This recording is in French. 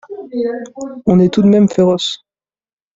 On est tout de même féroce.